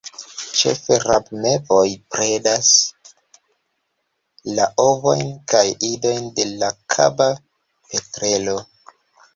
Ĉefe rabmevoj predas la ovojn kaj idojn de la Kaba petrelo.